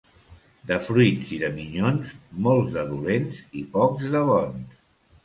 De fruits i de minyons, molts de dolents i pocs de bons.